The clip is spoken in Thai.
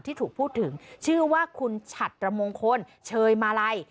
ที่ถูกพูดถึงชื่อว่าคุณฉัดระมงคลเชยมาลัย